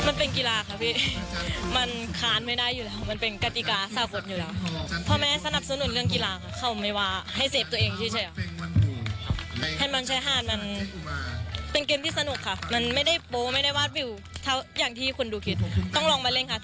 อยากให้มองแบบเป็นกีฬาเพิดเพลินมันสนุกดูที่การซ้ำเต็มดีกว่าชุดค่ะ